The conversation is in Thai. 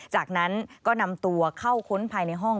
จากนั้นก็นำตัวเข้าค้นภายในห้อง